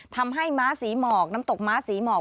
ม้าศรีหมอกน้ำตกม้าศรีหมอก